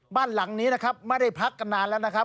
บ้านหลังนี้นะครับไม่ได้พักกันนานแล้วนะครับ